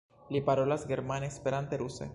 Li parolas germane, Esperante, ruse.